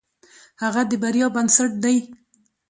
هڅه د بریا بنسټ دی.